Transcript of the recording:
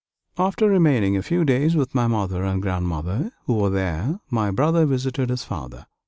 After remaining a few days with my mother and grandmother, who were there, my brother visited his father.